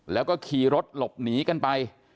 แล้วก็ขี่รถหลบหนีกันไป